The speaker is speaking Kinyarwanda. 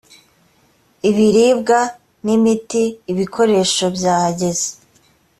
ibiribwa n imiti ibikoresho byahageze